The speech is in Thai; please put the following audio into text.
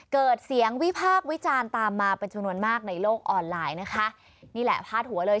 เกิดเสียงวิพากษ์วิจารณ์ตามมาเป็นจำนวนมากในโลกออนไลน์นะคะนี่แหละพาดหัวเลย